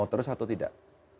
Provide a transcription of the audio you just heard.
mau terus atau tidak